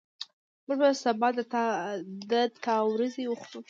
موږ به سبا د تا وریځي وخورو